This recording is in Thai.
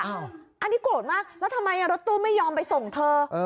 อันนี้โกรธมากแล้วทำไมรถตู้ไม่ยอมไปส่งเธอ